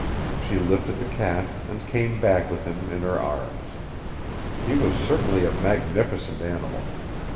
She lifted the cat, and came back with him in her arms. He was certainly a magnificent animal.